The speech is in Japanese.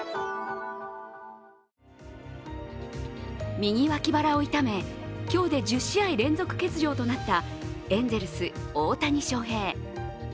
右脇腹を痛め今日で１０試合連続欠場となったエンゼルス・大谷翔平。